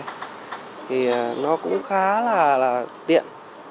thì nó cũng khá là tiện